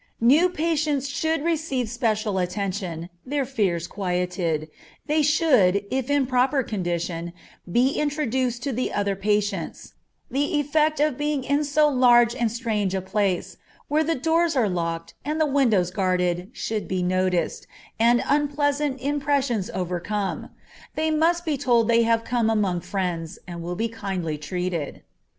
New patients should receive special attention; their fears quieted; they should, if in a proper condition, be introduced to the other patients; the effect of being in so large and strange a place, where the doors are locked and the windows guarded should be noticed, and unpleasant impressions overcome; they must be told they have come among friends and will be kindly treated.